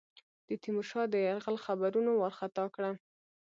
د تیمورشاه د یرغل خبرونو وارخطا کړه.